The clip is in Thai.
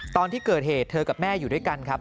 ตอนที่เกิดเหตุเธอกับแม่อยู่ด้วยกันครับ